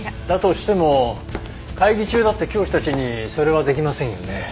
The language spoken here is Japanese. だとしても会議中だった教師たちにそれはできませんよね。